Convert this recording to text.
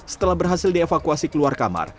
setelah berhasil dievakuasi keluar kamar